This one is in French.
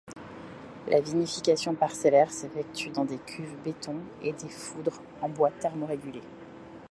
La vinification parcellaire s'effectue dans des cuves béton et foudres en bois thermorégulées.